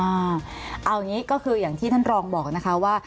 เอาอย่างนี้คือท่านรองบอกว่า